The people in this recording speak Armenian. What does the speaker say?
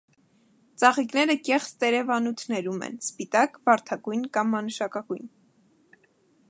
Ծաղիկները կեղծ տերևանութներում են, սպիտակ, վարդագույն կամ մանուշուկագույն։